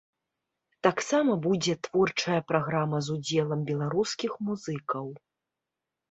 Таксама будзе творчая праграма з удзелам беларускіх музыкаў.